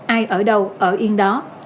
ai ở đâu ở yên đó